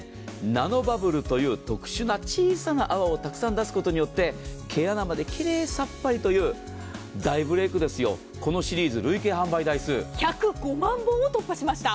ナノバブルという特殊な小さな泡をたくさん出すことによって毛穴まできれいさっぱりという大ブレイクですよ、このシリーズ、累計販売台数１０５万本を突破しました。